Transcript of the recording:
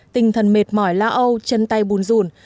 tinh thần mệt mỏi la âu chân tay bùn rùn